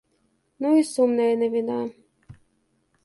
Ну і сумная навіна.